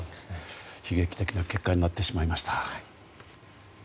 悲劇的な結果になってしまいました。